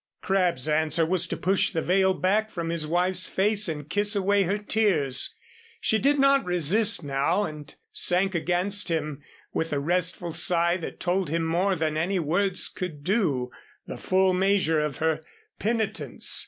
Crabb's answer was to push the veil back from his wife's face and kiss away her tears. She did not resist now and sank against him with a restful sigh that told him more than any words could do the full measure of her penitence.